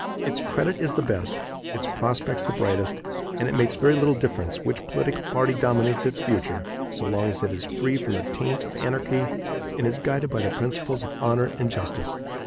Its credit is the best, its prospects the brightest, and it makes very little difference which political party dominates its future so long as it is free from the taint of anarchy and is guided by the principles of honor and justice.